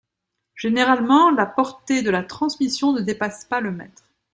Généralement, la portée de la transmission ne dépasse pas le mètre.